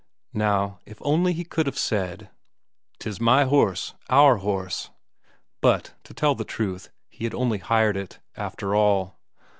Now if only he could have said: "'Tis my horse our horse...." But to tell the truth, he had only hired it, after all.